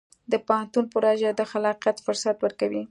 د پوهنتون پروژه د خلاقیت فرصت ورکوي.